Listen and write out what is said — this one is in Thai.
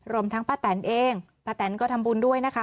ทั้งป้าแตนเองป้าแตนก็ทำบุญด้วยนะคะ